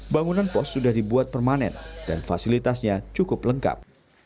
bangunan pos sudah dibuat permanen dan fasilitasnya cukup lengkap